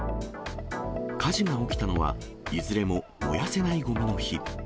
火事が起きたのは、いずれも燃やせないゴミの日。